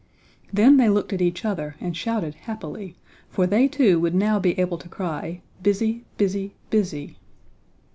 Then they looked at each other and shouted happily, for they too would now be able to cry "busy, busy, busy."